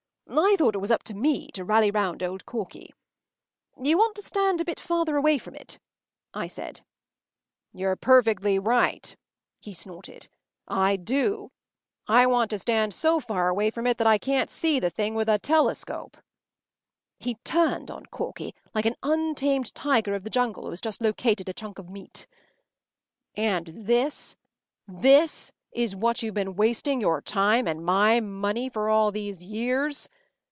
I thought it was up to me to rally round old Corky. “You want to stand a bit farther away from it,” I said. “You’re perfectly right!” he snorted. “I do! I want to stand so far away from it that I can’t see the thing with a telescope!” He turned on Corky like an untamed tiger of the jungle who has just located a chunk of meat. “And this—this—is what you have been wasting your time and my money for all these years!